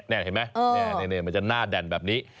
นี่เห็นไหมมันจะหน้าแด่นแบบนี้